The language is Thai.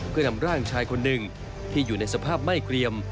เพื่อนำร่างชายคนหนึ่งที่อยู่ในสภาพไหม้เกรียม